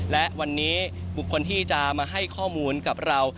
และวันนี้บุคคลที่จะมาให้ข้อมูลกับเรา